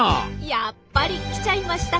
やっぱり来ちゃいましたか。